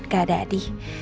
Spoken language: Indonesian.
gak ada adi